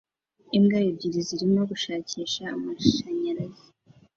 Imbwa ebyiri zirimo gushakisha amashanyarazi